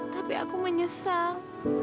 tapi aku menyesal